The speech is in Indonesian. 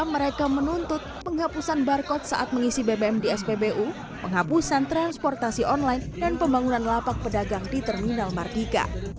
mereka menuntut penghapusan barcode saat mengisi bbm di spbu penghapusan transportasi online dan pembangunan lapak pedagang di terminal mardika